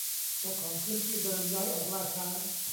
เจ้าของพื้นที่เดิมย้ายออกล่าช้า